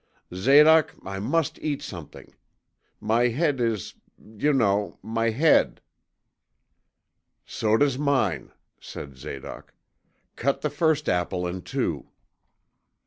'Zadoc, I must eat something. My head is you know my head!' 'So does mine,' said Zadoc. 'Cut the first apple in two.'